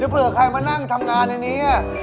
เผื่อใครมานั่งทำงานในนี้